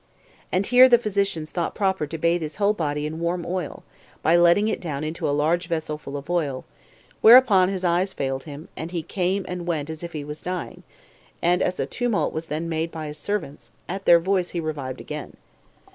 And here the physicians thought proper to bathe his whole body in warm oil, by letting it down into a large vessel full of oil; whereupon his eyes failed him, and he came and went as if he was dying; and as a tumult was then made by his servants, at their voice he revived again.